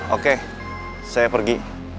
oke saya pergi